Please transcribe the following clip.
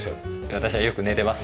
私はよく寝てます。